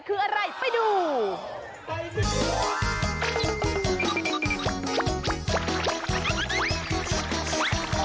คืออะไรไปดู